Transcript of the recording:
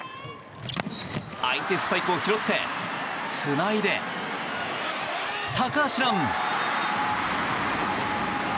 相手スパイクを拾ってつないで高橋藍！